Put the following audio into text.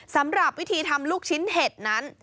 สำหรับวิธีทำลูกชิ้นเห็ดนั้น